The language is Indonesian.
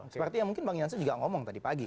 seperti yang mungkin bang yansen juga ngomong tadi pagi